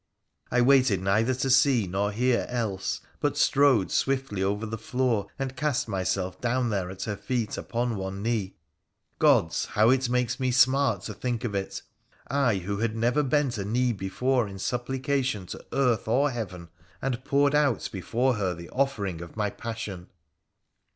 I waited neither to see nor hear else, but strode swiftly over the floor and cast myself down there at her feet upon one knee — gods ! how it makes me smart to think of it !— I who had never bent a knee before in supplication to earth or heaven, and poured out before her the offering of my passion.